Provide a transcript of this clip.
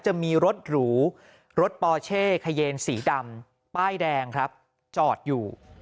จะมีรถหรูรถปอเช่ขเยนสีดำป้ายแดงครับจอดอยู่